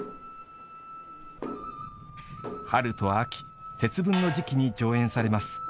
春と秋、節分の時期に上演されます。